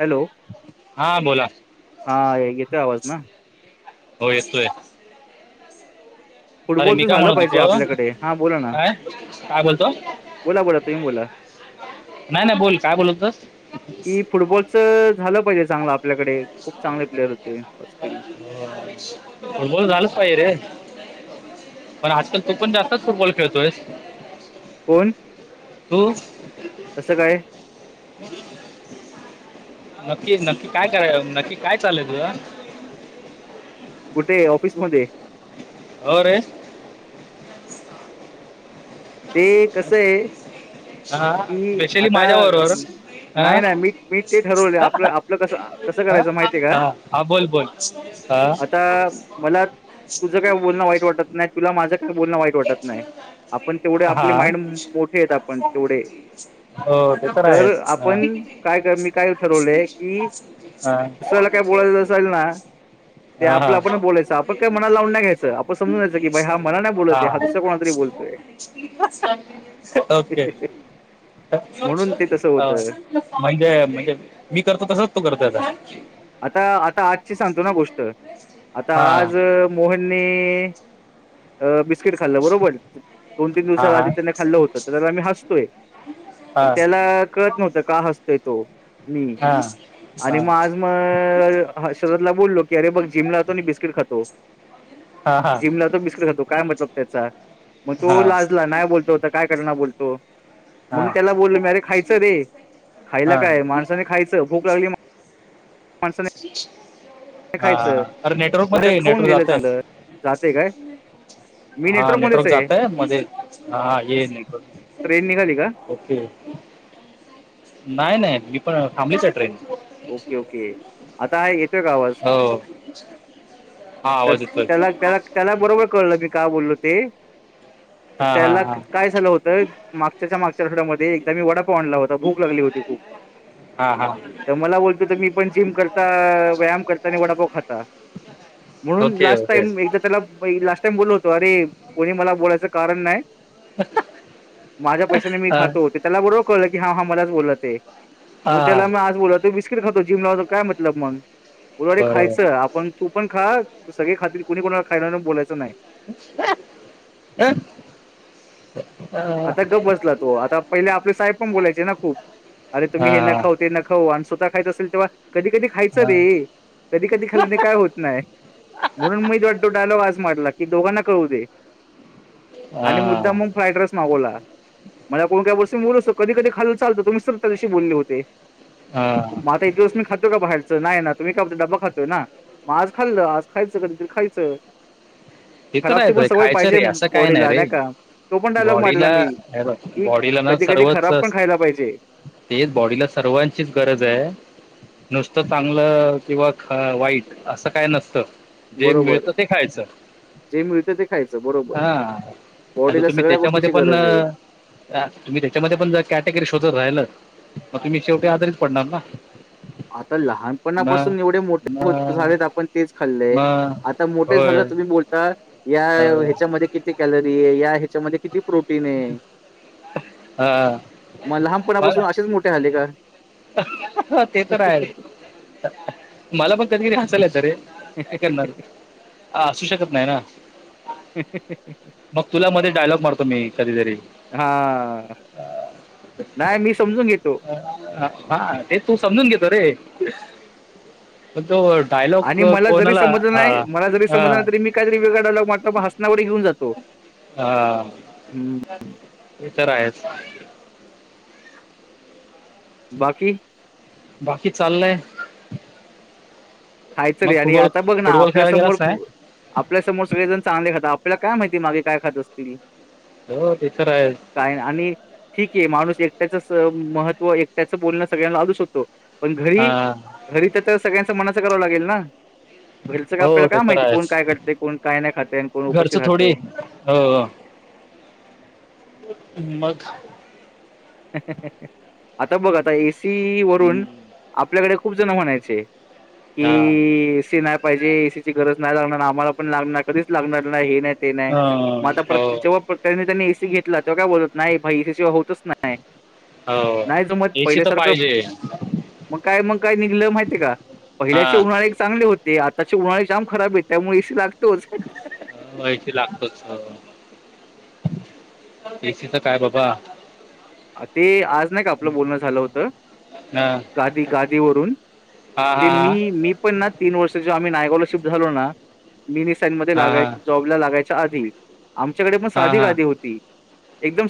Hello हा बोला हा येतोय आवाज ना हो येतय आहे फुटबॉल मी तर काय झालं म्हणत पाहिजे होतो आपल्याकडे हा बोला ना काय काय बोलतो बोला बोला तुम्ही बोला नाही नाही बोल काय बोलततस कि फुटबॉलचं झालं पाहिजे चांगलं आपल्याकडे खूप चांगले प्लेयर होते बसतील मोण नलस पायर पण आजकाल तो पण जास्तच फुटबॉल खेळतोयस हम् तसं काय हम् नक्की नक्की काय कराय नक्की काय चालय तुझं कुठे ऑफिसमध्येध्ये होरे ते कसं आहे हा की स्पेशली आता माझ्या बरोबर अं, नाही ह नाही मी मी ते ठरवले आपलं आपलं कसं कसं ह करायचं माहितीय का हा हा बोल बोल हा आता मला तुझं काय बोलणं वाईट वाटत नाही तुला माझं काय बोलणं वाईट वाटत नाही आपण तेवढे हा आपले माइंड मोठे आहेत आपण तेवढे हो ते तर आहेच. हा आपण काय कर मी काय ठरवलंय की दुसऱ्याला काय बोलायचं असाल ना ते हा आपलं हा हा आपण बोलायचं आपण काय मला लावून नाही घ्यायचं आपण समजायच की बा हा मणा नाही बोलत आहे हाुसरा हा कोणातरी बोलतोय ओके म्हणून ते तसं होतं म्हणजे म्हणजे मी करतो कसच तो करतो आता आता आता आजची सांगतो ना गोष्ट आता हा. आज मोहनने बिस्किट खाल्लं बरोबर दोन तीन दिवस हा हा. आधी त्यांनी खाल्लं होतं तर त्या आम्ही हसतोय तर हा. त्याला कळत नव्हतं का हसतोय तो हा हा अ शरद ला बोललो क अरे बघ जिमलातो आणि बिस्किट खातो हा. हा हा. जिमला त मिसकततो काय मतलब त्याचा मग तो लास्ट नाही बोलतो होत काय करणार बोलतो मग हा. त्याला बोलल मी अरे खायचं रे हा. खायला काय हा. माणसाने खायचं भूक लागली माणसाने हा खायचं अरे नेटवर्क वरच्या मध्ये खाऊन नेटवर्क गेलं जातय चांगलं जाते काय मी हा मध्येच नेटवर्क आहे जातय मध्ये हा ये निक ट्रेन निघाली का ओके नाही नाही मी पण फॅमिलीच ट्रेन ओके ओके आता हा येतोय का आवाज हो हा तर आवाज येतोय. त्याला त्याला त्याला बरोबर कळलंी का बोललो ते हा त्या हा काय होत मागच्या मागच्या आठड्यामध्ये एकदा म वडापा आणला होता भूक लागली होती खूप हा हा तर मला बोलतो तर मी पण जिम करता व्यायाम करता आणि वडापाव खाता म्हणून ओके लास्ट ओके टाईम एकदा त्याला म लास्ट टाइम बोललो होतो अरे कोणी मला बोलायचं कारण नाही माझ्या पैशाने मी हा खातो होते त्याला बरोबर कळलं की हा हा मलाच बोलत आहे मग हा त्याला मी आज बोलो बिस्किट खातो जिम लावतो काय मतलब मग बोला रे बरोबर. खायचं आपण तू पण खा त सगळे खातर कोणी कोणाला खायणार बलायं नाही हम आता गप बसला तो आता पहिले आपले साहेब पण बोलायचे ना खूप अरे तुम्ही हे न हा खाऊ ते न खाऊ आणि स्वतः खायचं असेल तेव्हा कधी कधी खायचं हा रे कधी कधी खालने काय होत नाही म्हणून मी वाटतो डायलॉग आज मटला की दोघांना कळू दे आणि मुद्दा हा मग फ्राईड राईस माला मला कोण काही बसून बोल असत कधी कधी खाल्ल चालतो तुम् स तशी बोलली होते हा माता यसम खातो का बाहेरचं नाही ना तुम्ही का आप डबा खातोय ना मग आज खाल्लं आज खायचं कधीत खायं हे तर राहच रे खायचं रे असं काय नाही बॉडीला रे का तो पण डायलॉग मारला बॉडीला मी की बॉडीला ना कधी कधी सर्वच. खराब पण खायला पाहिजे तेच बॉडीला सर्वांचीच गरज आहे नुसतं चांगलं किंवा. ह वाईट असं काय नसतं. जे बरोबर मिळतं ते खायचं जेम र ते. खायच बरोबर हां आता बॉडीला तुम्ही सगळ्या त्याच्यामध्ये गोष्टीची पण गरज आहे. अं, तुम्ही त्याच्यामध्ये पण जर कॅटेगरी शोधत राहिल मग तुम्ही शेवटी आजारीित पडणार ना. आता मग लहानपणापासून एवढे मोठे मग झालेत आपण तेच खाल्लंय. मग आता मोठे होय झालं तुम्ही बोलता या अं, ह्याच्यामध्ये किती कॅलरी या ह्याच्यामध्ये किती. प्रोटीन आहे हां. मग लहानपणापासून असेच मोठे झाले का. ह ते तर आहे रे मला पण कधी करी हसायल आहे तर रे. काय करणार ह असू शकत नाही ना. ह मग तुला मध्ये डायलॉग मारतो मी कधीतरी हा ह नाही मी समजून घेतो. हा ते तू समजून घेतो रे. म तु डयलॉग आणि मला कोनला ह ह. काहीत वेगळा डायलगात हसनावर घेऊन जातो. हा हम्म हे तर आहेच बाकी बाकी चाललंय. खायचं मग रे आणि फुटबॉल आता बघ ना फुटबॉल खेळायला आपल्यासमोर. गेलाच नाही आपल्यासमोर सगळे जण चांगले खातात आपल्याला काय माहिती मागे काय खात असतील. हो तेथर आहे काय आणि ठीक आहे माणूस एकट्याचं महत्त्व एकट्याचं बोलणं सगळ्यांना लालूचकतो. पण घरी हा घरी तर तर सगळ्यांच मनाचं करावं लागेल ना. घरचं का हो आपल्याला ते काय तर माहिती कोण आहेच काय करते कोण काय नाही खाते कोण उपस्थित घरचं थोडी राहते. हो मग आता बघ आता एसी वरून हम्म, आपल्याकडे खूप जण म्हणायचे हा की शना पाहिजे एसीची गरज नाही लागणार आम्हाला पण लागणार कधीच लागणार नाही हे नाही ते नाही मग अं, आता हो प्रत जेव्हा प्रत्येनी त्यांनी एसी घेतला तेव्हा काय बोलत नाहीई एसी होतच नाही नाही हो नाही जो मग एसी तर पहिल्यासारखं पाहिजे मग काय मग काय निघलं माहितीय का हा पहिल्याचे उन्हाळळे चांगले होते ते आताचे उन्हाळे जाम खराब आहे त्यामुळे एी लागतोच हो याशी लागतोच एसीच काय बाबा ते आज नाही का आपलं बोलणं झालं होतं हा गादी गादीवरून हा ते हा मी मी पण तीन वर्ष आम्ही नायगॉलरशिप्ट झालो ना मिनी साईन म हा लाग हा जॉ आ आमच्या द हा हा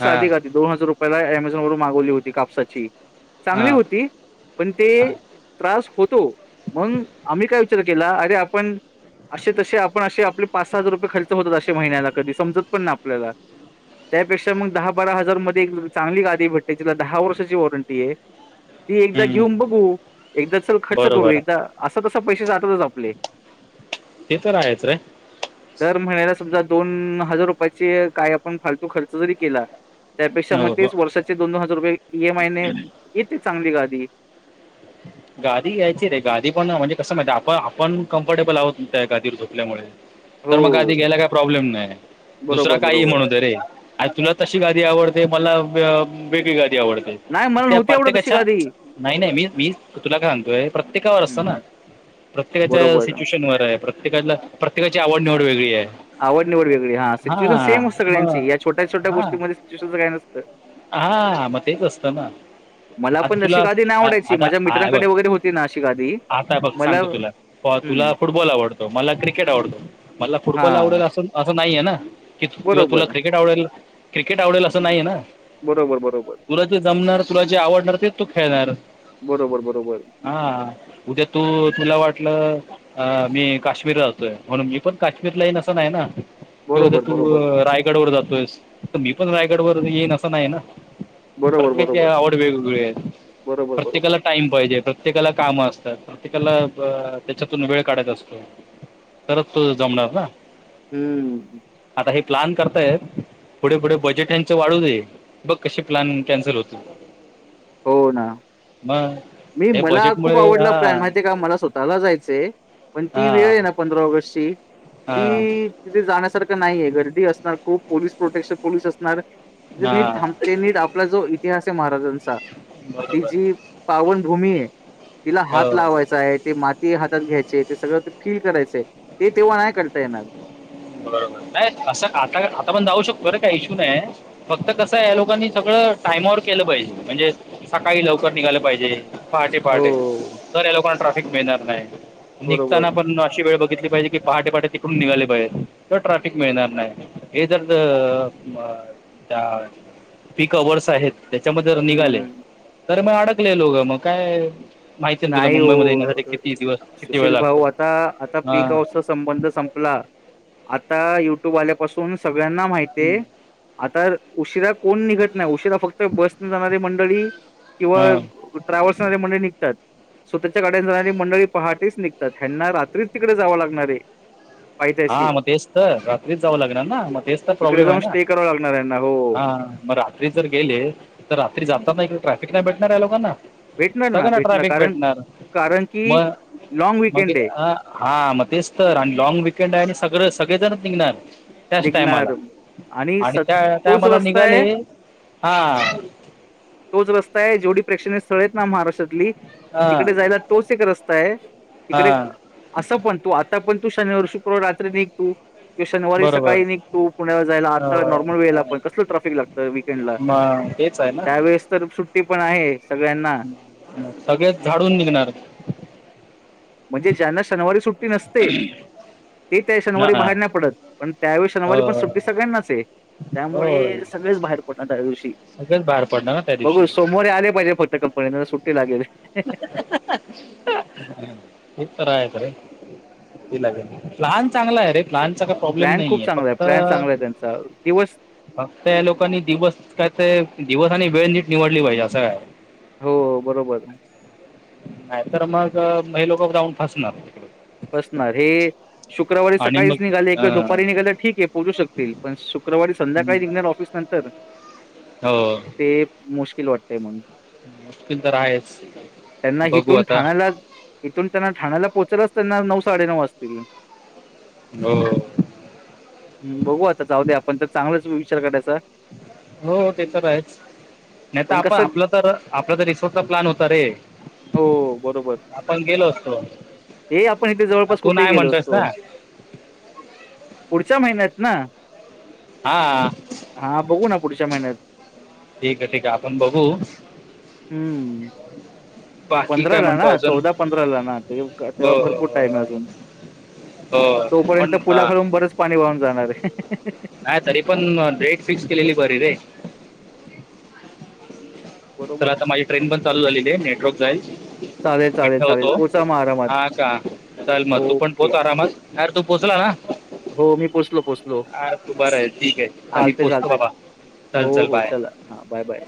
हा प मेझॉन वरून मागवली होती कापसाची हा चांगली होती पण ते हा त्रास होतो मग आम्ही काय विचार केला अरे आपण असे तसे आपण असे आपले पाच सहा हजार रुपये खर्च होतात असे महि्याला कधी समजत पण ना आपल्याला त्यापेक्षा मग दहा बारा हजार मध्ये चांगली गादी भेटते तिला दहा वर्षाची वॉरंटी आहे ती एकदा हम्म घेऊन बघू एकदा चल खर्च करू बरोबर एकदा असं तस पैसे जातातच आपले ते तर आहेच रे दर महिन्याला समजा दोन हजार रुपयाचे काय आपण फालतू खर्च जरी केला त्यापेक्षा मग हो तेच हो वर्षाचे दोनोन हज रुपये ई एम आय न इते चांगली ग आधी [inaudible] गादी घ यायची रे गादी पण म्हणजे कसं माहिती आपण आपण कम्फर्टेबल आहोत त्या गादीवर झोपल्यामुळे हो तर मग गादी घ्यायला काय प्रॉब्लेम नाही दुसरा बरोबर काही बरोबर म्हणूत रे आणि तुला तशी गादी आवडते मला वेगळी गादी आवडते नाही मला त्या नव्हती आवडत तशी प्रत्येकाच्या गादी नाही नाही मी तुला काय म्हणतोय प्रत्येकावर असत ना हं, प्रत्येकाच्या बरोबर सीट्युएशन आहे प्रत्येकाला प्रत्येकाची आवड निवड वेगळी आहे आवड निवड वेगळी हां सिच्युएशन सेम सग्यांची या छोट्या छोट्या गोष्टीमध्ये सिच्यएशनच काय नसं हा मग तेच असतं ना मला आता पण अशी तुला गादी नाही आवडायची माझ्या आता बघ मित्रांकडे वगैरे होती ना अशी गादी आता बघ मला सांगतो तुला हो हम्म तुला फुटबॉल आवडतो मला क्रिकेट आवडतो मला फुटबॉल हा आवडेल अस असं नाहीय ना कि किंवा तुला बरोबर क्रिकेट आवडेल क्रिकेट आवडेल असं नाहीय ना बरोबर बरोबर तुला ज जमणार तुला जे आवडणार ते तू खेळणार बरोबर बरोबर हा उद्या तू तुला वाटलं अ मी काश्मीर राहतोय म्हणून मी पण काश्मीरला येईन असं नाही ना तेवद्या बरोबर बरोबर तू रायगड वर जातोयस तर मी पण रायगडवरर येईन असं नाही ना बरोबर प्रत्येकाची बरोबर आवड वेगवेगळी आहे बरोबर बरोबर. प्रत्येकाला टाईम पाहिजे प्रत्य प्रत्येकाला कामं असतात प्रत्येकाला त्याच्यातून वेळ काढत असतो तरत तू जमणार ना हमं आता हे प्लन करतायत पुढे पुढे बजेट यांच वाढू देई बघ कसे प्लॅन कॅन्सल होतील हो ना मग मी हे मला खूप बजेटमुळे आवडला हा प्लॅन माहिती आहे का मला स्वतःला जायचंय पण ती वेळ हा आहे ना पंधरा ऑगस्ट ची हा ती तिथे जाण्यासारखं नाहीये गर्दी असणार खूप पोलीस प्रोटेक्शन पोलीस असणार नीट हा थांबते नीट आपला जो इतिहास आहे महाराजांचा ति बरोबर जी पावनभूमी आहे तिला हात हो. लावायचा आहे ते माती हातात घ्यायचे ते सगळं फील करायचंय तेव्हा नाही करता येणार बरोबर नाही असं आता आता पण जाऊ शकतो अरे काय इश्यू नाही फक्त कसं आहे लोकांनी सगळं टाइमावर केलं पाहिजे म्हणजे सकाळी लवकर निघालं पाहिजे पहाटे पहाटे हो, तर या लोकांना ट्राफिक मिळणार नाही बरोबर. निघताना पण अशी वेळ बघ ली पाहिज कीहाटे पट तिकडून निघाले पाहिजे त ट्रॅफिक मिळणार नाही हे जर त्या पीक आवर्स आहेत त्याच्यामध्ये जर निघाले हम्म. तर मग अडकले लोगं मग काय माहिती आहे ना तुला नाही मुंबईमध्ये येण्यासाठी हो किती दिवस किती वेळ सुशील भाऊ लागतो आता आता हां पीकआवर्स संबंध संपला आता युट्यूब आल्यापासून सगळ्यांना माहित आता उशिरा कोण निघत नाही उशिरा फक्त बस न जाणारी मंडळी किंवा हां ट्रा्हल्स न जाणारे मां स्वतःच्या गाड्यान जाणारी मंडळी पहाटेच निघतात ह्यांना रात्रीच तिकडे जाव लागणारे हा मग तेच तर रात्रीच जावं लागणार ना मग तेच तर तिकडे प्रॉब्लेम आहे जाऊन ना स्टे करावा लागणार यांना हो हा मग रात्री जर गेले तर रात्री जाताना इकडे ट्रॅफिक नाही भेटणार या लोकांना भेटणार ना सगना ट्रॅफिक कारण भेटणार कारण की मग लॉंग मग विकेंड आहे हा मग तेच तर आणि लँग वकेंड आहे आणि सगळं सगळेजणच निघणार त्याच टायमाला निघणार आणि स त्या तोच टायमाला रस्ता निघाले आहे हा. तोच रस्ता आहे जेवढी प्रेक्षणीय स्थळेत ना महाराष्ट्रातली हां तिकडे जायला. तोच एक रस्ता आहे तिकडे हां असं पण तू आता पण तू शनिवार शुक्रवार रात्री निघतो किंवा शनिवारी सकाळी बरोबर निघ तू पुण्याला जायला अ आता नॉर्मल वेळेला पण कसलं ट्रॅफिक लागतं वीकेंड ला मग तेच आहे ना सुट्टी पण आहे सगळ्यांना सगळेच झाडून निघणार. म्हणजे ज्यांना शनिवारी सुट्टी नसते. ते त्या शनिवारी हां बाहेर नाही पडत पण त्यावेळी शनिवारी पण हो सुट्टी सगळ्यांनाच आहे. त्यामुळे होय सगळेच बाहेर पडणार त्याऱ्या दिवशी सगळेच बाहेर पडणार ना त्या दिवशी बघू सोमवारीे आले पाहिजे फक्त कंपनी सुट्टी लागेल. नि तरा आहेत र. तला प्लन चांगला आहे ररे प्लनचा काही प्रॉब्लेम प्लॅन खूप नाही आहे चांगला फक्त प्लॅन चांगला आहे त्यांचा दिवस फक्त या लोकांनी दिवस काय ते दिवसनी वेळ नीट निवडली पाहिजे असं काय? हो बरोबर. नाही तर मग म लोक जाऊन फसणार. बसणार हे. शुक्रवारी आणि सकाळीच मग निघाले किंवा अं, दुपारी निघाले ठीक आहे पोहोचू शकतील पण शुक्रवारी हम्म. संध्याकाळी निघणार ऑफिस नंतर हो ते मुश्किल वाटतय म्हणून मुश्किल तर आहेच त्यांना बघू इथून आता ठाण्याला इथून त्यांना ठाण्याला पोहोचलाच त्यांना नऊ साडेनऊ असतील. हो हो. ह बघू आता जाऊ दे आपण तर चांगलाच विचार करायचा हो ते तर आहेच नाही तर पण आपण कसं आपलं तर आपला तर रिसोर्टचा प्लॅन होता रे. हो बरोबर आपण गेलो असतो. हे आपण इथे जवळपास तू कुठेही नाही गेलो म्हणतोयस असतो. ना पुढच्या महिन्यात ना. हा. हा बघू ना पुढच्या महिन्यात ठीक आहे ठीक आहे आपण बघू. हम्म. बाकी पंधरा काय ला ना म्हणतो अजून चौदा पंधरा ला ना ते अ, तेव्हा भरपूर टाईम अजून अ, तोपर्यंत पण अ, पुलाखालून बरंच पाणी वाहून जाणार आहे. नाही तरी पण रेट फिक्स केलेली बरी रे. तर बरोबर आता माझी ट्रेन पण चालू झालेली आहे नेटवर्क जाईल. चालेल चालेल मिठ्ठा चालेल होतो पोचा मग आरामात हा का चाल मग तू पण ओके पोत आरामात. अर तू पोचला ना. हो मी पोचोचो. आ तू बरं आहे ठीक आहे आम्ही पोचतो बाबा चल चल बाय. हा बाय बाय.